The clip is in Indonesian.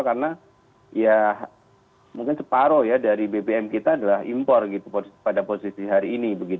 karena ya mungkin separoh ya dari bbm kita adalah impor gitu pada posisi hari ini